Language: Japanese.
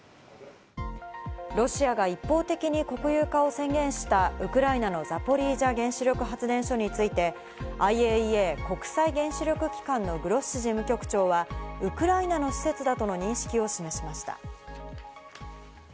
ロシアが一方的に国有化を宣言したウクライナのザポリージャ原子力発電所についてＩＡＥＡ＝国際原子力機関のグロッシ事務局長は、ウクライナの施設だとの認識を示しました。